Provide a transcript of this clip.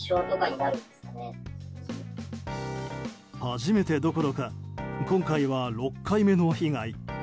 初めてどころか今回は６回目の被害。